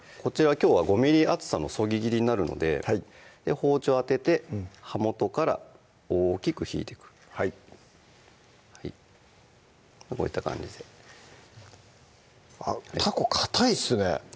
きょうは５ｍｍ厚さのそぎ切りになるので包丁当てて刃元から大きく引いていくはいこういった感じであったこかたいっすね